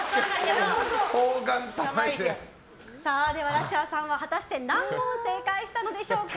ラッシャーさんは果たして何問正解したんでしょうか。